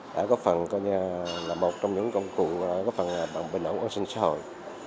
đã có phần là một trong những công cụ có phần bằng bình ẩn quan sinh xã hội